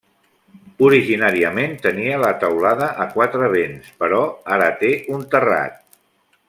Originàriament tenia la teulada a quatre vents, però ara té un terrat.